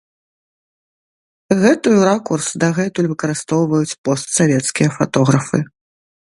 Гэтую ракурс дагэтуль выкарыстоўваюць постсавецкія фатографы.